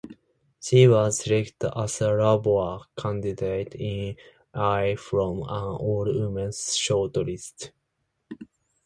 She was selected as a Labour candidate in Ayr from an all-women shortlist.